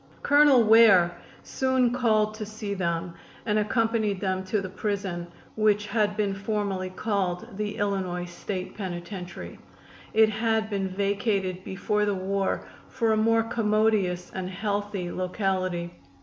Colonel Ware soon called to see them and accompanied them to the prison, which had been formerly called the Illinois State Penitentiary. It had been vacated before the war for a more commodious and healthy locality.